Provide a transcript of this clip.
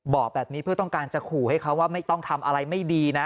บอกแบบนี้เพื่อต้องการจะขู่ให้เขาว่าไม่ต้องทำอะไรไม่ดีนะ